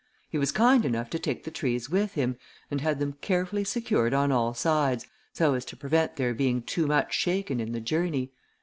He was kind enough to take the trees with him, and had them carefully secured on all sides, so as to prevent their being too much shaken in the journey.